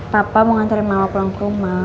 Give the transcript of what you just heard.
papa mau ngantri mama pulang ke rumah